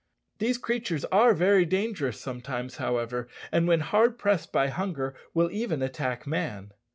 These creatures are very dangerous sometimes, however, and when hard pressed by hunger will even attack man.